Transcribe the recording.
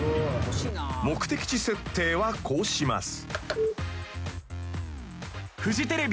［目的地設定はこうします］